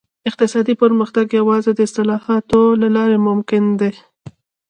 اقتصادي پرمختګ یوازې د اصلاحاتو له لارې ممکن دی.